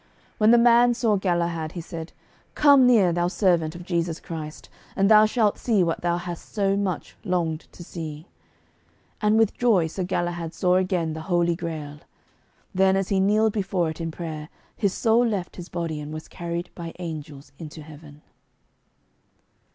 When the man saw Sir Galahad, he said, 'Come near, thou servant of Jesus Christ, and thou shalt see what thou hast so much longed to see.' And with joy Sir Galahad saw again the Holy Grail. Then as he kneeled before it in prayer, his soul left his body and was carried by angels into heaven.